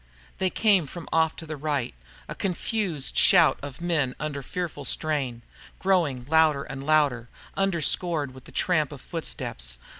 They came from off to the right, a confused shout of men under fearful strain, growing louder and louder, underscored with the tramp of footsteps.